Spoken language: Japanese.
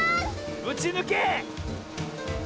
うちぬけ！